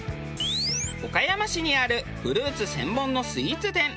岡山市にあるフルーツ専門のスイーツ店四代目